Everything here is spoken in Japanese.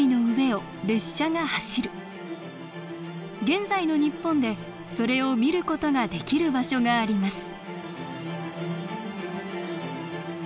現在の日本でそれを見る事ができる場所があります